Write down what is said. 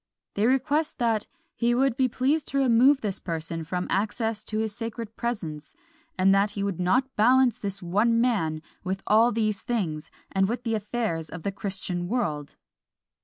They request that "he would be pleased to remove this person from access to his sacred presence, and that he would not balance this one man with all these things, and with the affairs of the Christian world."